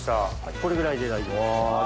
これぐらいで大丈夫です。